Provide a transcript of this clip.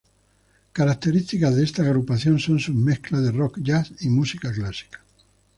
Características de esta agrupación son sus mezclas de "rock", "jazz" y música clásica.